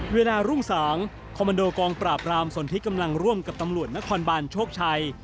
รุ่งสางคอมมันโดกองปราบรามส่วนที่กำลังร่วมกับตำรวจนครบานโชคชัย